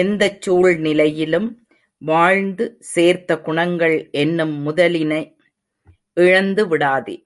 எந்தச் சூழ்நிலையிலும் வாழ்ந்து சேர்த்த குணங்கள் என்னும் முதலினை இழந்துவிடாதே!